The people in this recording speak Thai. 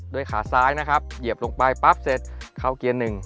โดยขาซ้ายนะครับเหยียบลงไปปั๊บเสร็จเข้าเกียร์๑